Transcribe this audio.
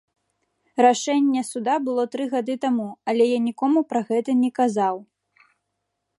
Рашэнне суда было тры гады таму, але я нікому пра гэта не казаў.